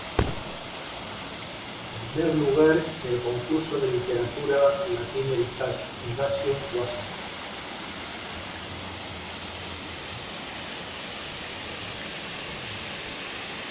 Primer Lugar en el concurso de literatura Latin Heritage foundation, Washington.